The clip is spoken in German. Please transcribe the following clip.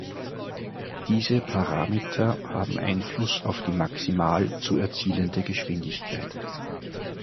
Diese Parameter haben Einfluss auf die maximal zu erzielende Geschwindigkeit.